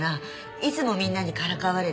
いつもみんなにからかわれて。